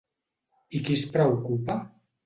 I qui es preocupa?